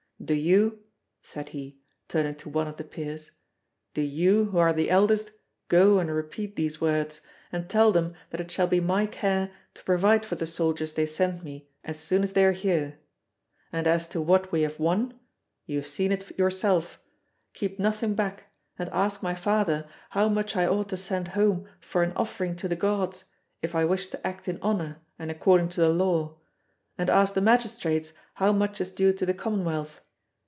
Do you," said he, turning to one of the Peers, "do you, who are the eldest, go and repeat these words, and tell them that it shall be my care to provide for the soldiers they send me as soon as they are here. And as to what we have won you have seen it yourself keep nothing back, and ask my father how much I ought to send home for an offering to the gods, if I wish to act in honour and according to the law, and ask the magistrates how much is due to the commonwealth.